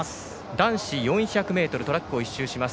男子４００ｍトラックを１周します。